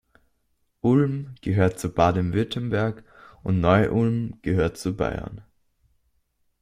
Ulm gehört zu Baden-Württemberg und Neu-Ulm gehört zu Bayern.